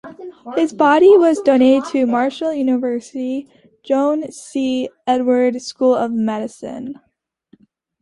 His body was donated to Marshall University's Joan C. Edwards School of Medicine.